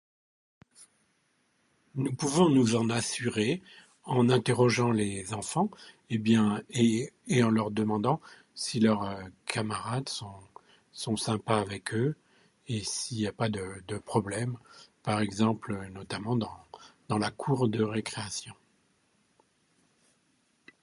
Nous pouvons nous en assurer en interrogeant les enfants, eh bien... et, et en leur demandant si leurs camarades sont, sont sympas avec eux, si, s'il n'y a pas de, de problème, notamment dans la cour de récréation.